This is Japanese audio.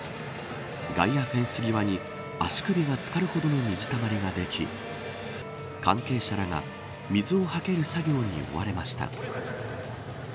外野フェンス際に足首が漬かるほどの水たまりができ関係者らが、水をはける作業に追われました。